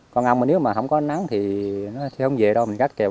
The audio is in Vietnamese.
con ông nếu mà không có ánh nắng thì nó sẽ không về đâu